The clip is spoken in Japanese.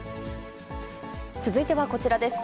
続いてはこちらです。